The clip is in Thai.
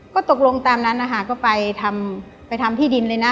ก็ตกลงตามนั้นก็ไปทำที่ดินเลยนะ